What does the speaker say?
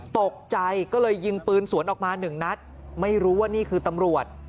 ตกใจก็เลยยิงปืนสวนออกมาหนึ่งนัดไม่รู้ว่านี่คือตำรวจ